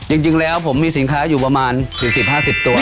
จริงแล้วผมมีสินค้าอยู่ประมาณ๔๐๕๐ตัว